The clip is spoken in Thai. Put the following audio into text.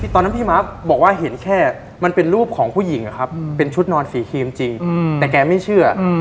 ตอนนั้นพี่มาร์คบอกว่าเห็นแค่มันเป็นรูปของผู้หญิงเป็นชุดนอนสีครีมจริงแต่แกไม่เชื่อ